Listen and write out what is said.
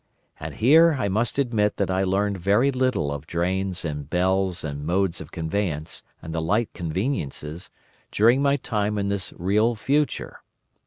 "And here I must admit that I learnt very little of drains and bells and modes of conveyance, and the like conveniences, during my time in this real future.